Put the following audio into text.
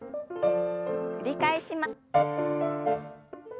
繰り返します。